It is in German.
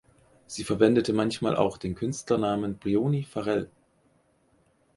Sie verwendete manchmal auch den Künstlernamen Brioni Farrell.